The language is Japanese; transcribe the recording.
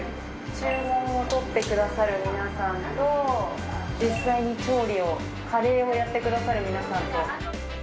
注文を取ってくださる皆さんと、実際に調理を、カレーをやってくださる皆さんと。